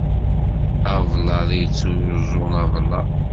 Ablaḍ i t-yettruẓen ablaḍ.